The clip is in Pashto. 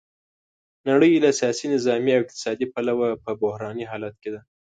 نړۍ له سیاسي، نظامي او اقتصادي پلوه په بحراني حالت کې ده.